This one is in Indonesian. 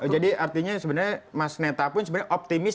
jadi artinya sebenarnya mas netta pun optimis